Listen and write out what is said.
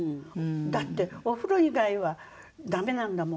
だってお風呂以外はダメなんだもん。